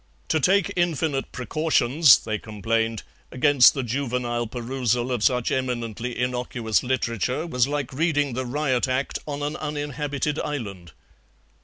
To take infinite precautions, they complained, against the juvenile perusal of such eminently innocuous literature was like reading the Riot Act on an uninhabited island.